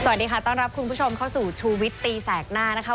สวัสดีค่ะต้อนรับคุณผู้ชมเข้าสู่ชูวิตตีแสกหน้านะคะ